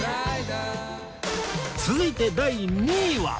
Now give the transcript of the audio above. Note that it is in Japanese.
続いて第２位は